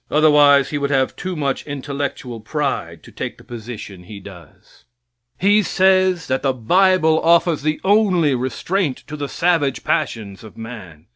Otherwise he would have too much intellectual pride to take the position he does. He says that the bible offers the only restraint to the savage passions of man.